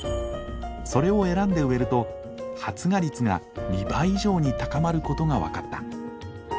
それを選んで植えると発芽率が２倍以上に高まることが分かった。